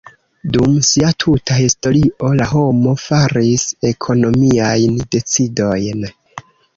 Dum sia tuta historio la homo faris ekonomiajn decidojn.